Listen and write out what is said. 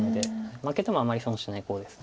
負けてもあまり損しないコウです。